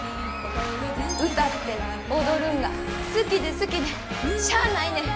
歌って踊るんが好きで好きでしゃあないねん。